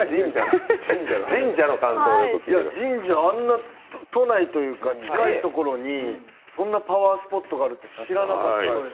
神社、あんな都内というか近いところにそんなパワースポットがあるって知らなかったです。